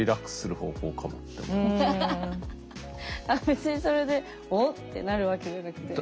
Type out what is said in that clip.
別にそれで「おっ！」ってなるわけじゃなくて。